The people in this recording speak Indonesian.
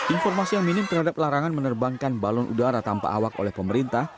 informasi yang minim terhadap larangan menerbangkan balon udara tanpa awak oleh pemerintah